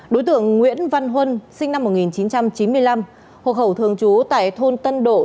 đối tượng nguyễn văn huân sinh năm một nghìn chín trăm chín mươi năm hộ khẩu thường trú tại thôn tân độ